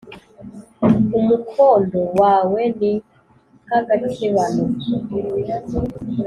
Umukondo wawe ni nk’agakebano